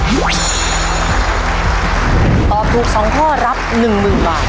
ถ้าตอบถูกสองข้อรับหนึ่งหมื่นบาท